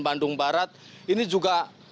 bandung barat ini juga